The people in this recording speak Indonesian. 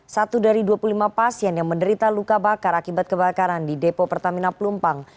satu dari dua puluh lima pasien yang menderita luka bakar akibat kebakaran di depo pertamina pelumpang